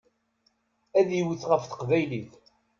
Ad iwet ɣef teqbaylit.